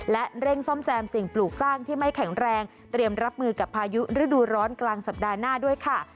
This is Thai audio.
และเร่งซ่อมแซมสิ่งปลูกสร้างที่ไม่แข็งแรงเตรียมรับมือกับพายุฤดูร้อนกลางสัปดาห์หน้าด้วยค่ะ